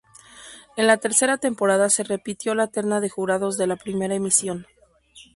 En la tercera temporada se repitió la terna de jurados de la primera emisión.